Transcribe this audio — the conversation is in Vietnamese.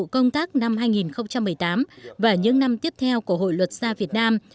công tác năm hai nghìn một mươi tám và những năm tiếp theo của hội luật gia việt nam